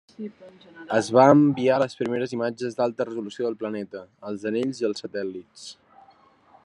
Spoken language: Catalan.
Es va enviar les primeres imatges d'alta resolució del planeta, els anells i els satèl·lits.